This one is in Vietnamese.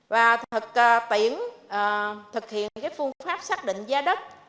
và thực tiễn thực hiện phương pháp xác định giá đất